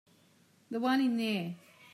The one in there.